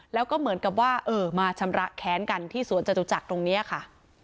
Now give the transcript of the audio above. แล้วก็เหมือนกับว่าเออมาชำระแค้นกันที่สวนจตุจักรตรงนี้ค่ะ